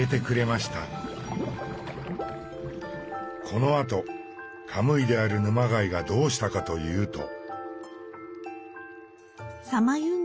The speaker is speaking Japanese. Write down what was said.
このあとカムイである沼貝がどうしたかというと。